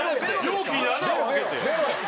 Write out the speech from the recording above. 容器に穴を開けて。